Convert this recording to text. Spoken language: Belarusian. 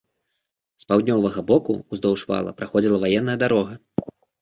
З паўднёвага боку ўздоўж вала праходзіла ваенная дарога.